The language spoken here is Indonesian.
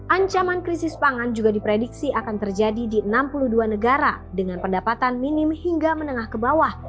ancaman krisis pangan juga diprediksi akan terjadi di enam puluh dua negara dengan pendapatan minim hingga menengah ke bawah